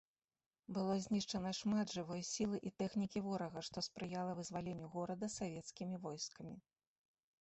Было знішчана шмат жывой сілы і тэхнікі ворага, што спрыяла вызваленню горада савецкімі войскамі.